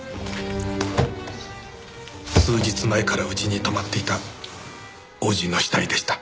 数日前から家に泊まっていた叔父の死体でした。